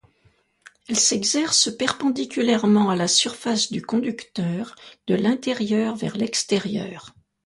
Elle s'exerce perpendiculairement à la surface du conducteur, de l'intérieur vers l'extérieur.